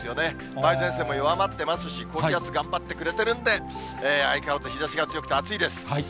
梅雨前線も弱まってますし、高気圧、頑張ってくれてるんで、相変わらず日ざしが強くて暑いです。